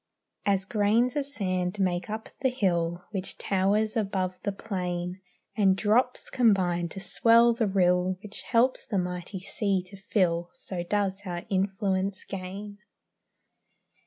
As grains of sand make up the hill Which towers above the plain, And drops combine to swell the rill Which helps the mighty sea to fill, So does our influence gain.